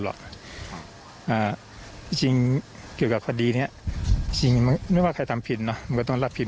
เราก็ไม่เคยให้ปิดบังใคร